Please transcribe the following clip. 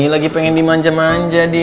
lagi pengen dimanja manja di